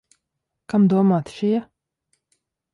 Kam domāti šie?